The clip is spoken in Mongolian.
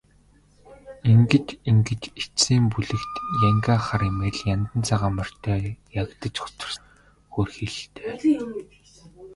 Ингэж ингэж эцсийн бүлэгт янгиа хар эмээл, яндан цагаан морьтой ягдаж хоцорсон нь хөөрхийлөлтэй.